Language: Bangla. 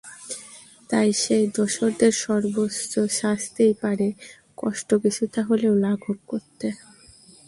তাই সেই দোসরদের সর্বোচ্চ শাস্তিই পারে কষ্ট কিছুটা হলেও লাঘব করতে।